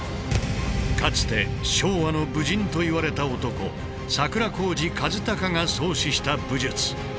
かつて昭和の武人といわれた男櫻公路一顱が創始した武術。